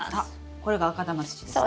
これが赤玉土ですか？